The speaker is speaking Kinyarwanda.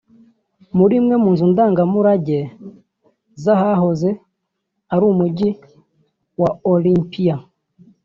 muri imwe mu nzu ndangamurage z’ahahoze ari Umujyi wa Olympia